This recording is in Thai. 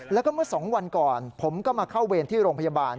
แล้วก็เมื่อ๒วันก่อนผมก็มาเข้าเวรที่โรงพยาบาล